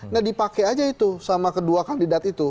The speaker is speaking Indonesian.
nah dipakai aja itu sama kedua kandidat itu